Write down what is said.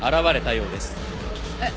えっ？